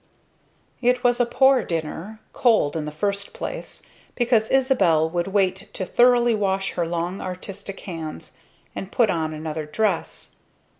It was a poor dinner. Cold in the first place, because Isabel would wait to thoroughly wash her long artistic hands; and put on another dress.